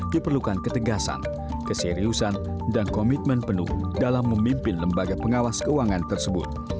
diperlukan ketegasan keseriusan dan komitmen penuh dalam memimpin lembaga pengawas keuangan tersebut